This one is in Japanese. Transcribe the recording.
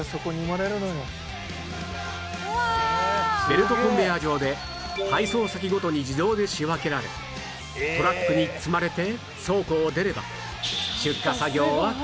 ベルトコンベヤー上で配送先ごとに自動で仕分けられトラックに積まれて倉庫を出れば出荷作業は完了